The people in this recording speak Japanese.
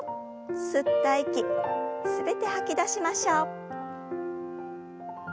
吸った息全て吐き出しましょう。